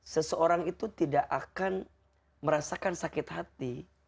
seseorang itu tidak akan merasakan sakit hati